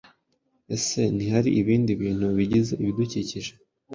Ese ntihari ibindi bintu bigize ibidukikije,